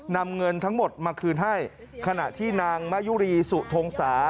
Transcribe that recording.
นำเงินทั้งหมดมาคืนให้ขณะที่นางมะยุรีสุทงศา